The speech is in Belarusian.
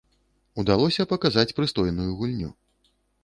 Удалося паказаць прыстойную гульню.